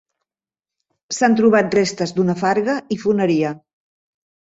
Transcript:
S'han trobat restes d'una farga i foneria.